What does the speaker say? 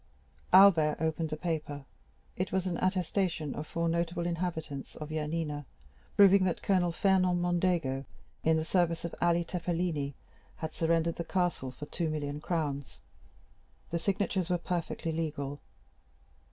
40176m Albert opened the paper, it was an attestation of four notable inhabitants of Yanina, proving that Colonel Fernand Mondego, in the service of Ali Tepelini, had surrendered the castle for two million crowns. The signatures were perfectly legal.